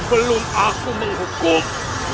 belum aku menghukum